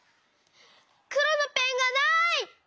くろのペンがない！